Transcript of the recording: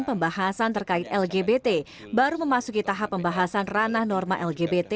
pembahasan terkait lgbt baru memasuki tahap pembahasan ranah norma lgbt